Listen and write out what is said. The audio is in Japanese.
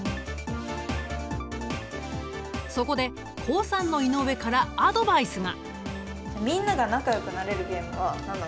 そこで高３の井上からアドバイスが。